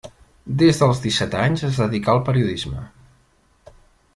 Des dels disset anys es dedicà al periodisme.